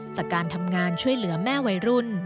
จากการทำงานช่วยเหลือแม่วัยรุ่น